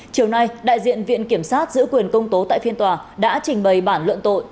chiều nay đại diện viện kiểm sát giữ quyền công tố tại phiên tòa đã trình bày bản luận tội